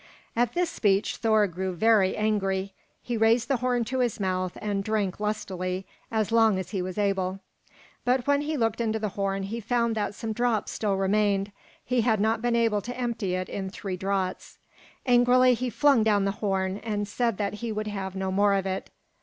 At this speech Thor grew very angry. He raised the horn to his mouth and drank lustily, as long as he was able. But when he looked into the horn, he found that some drops still remained. He had not been able to empty it in three draughts. Angrily he flung down the horn, and said that he would have no more of it.